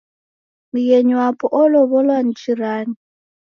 Mghenyi wapo olow'olwa ni jirani